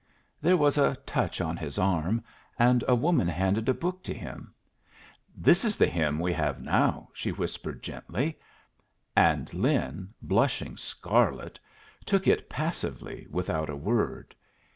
There was a touch on his arm, and a woman handed a book to him. "This is the hymn we have now," she whispered, gently; and Lin, blushing scarlet, took it passively without a word.